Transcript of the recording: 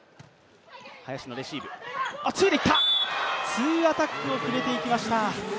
ツーアタックを決めていきました。